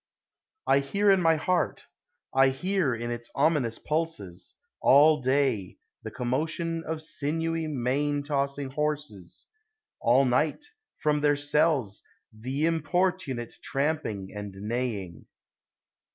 J hear in my heart, I hear in its ominous pulses, All day, the commotion of sinewy, mane tossing horses / All night, from their cells, the importunate tramping and neighing.